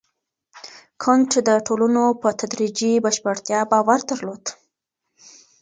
کنت د ټولنو په تدريجي بشپړتيا باور درلود.